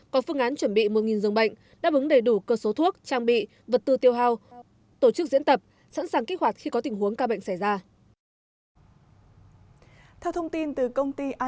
có phương án chuẩn bị một dương bệnh đáp ứng đầy đủ cơ số thuốc trang bị vật tư tiêu hào